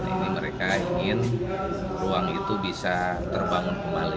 ini mereka ingin ruang itu bisa terbangun kembali